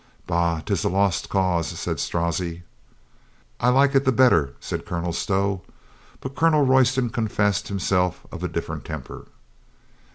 "Bah, 'tis a lost cause," said Strozzi. "I like it the better," said Colonel Stow. But Colonel Royston confessed himself of a different temper.